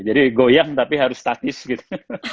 jadi goyang tapi harus statis gitu